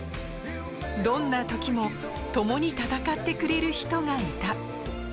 どんな時も共に戦ってくれる人がいた。